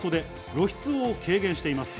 露出を軽減しています。